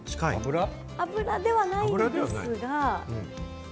油ではないんですが。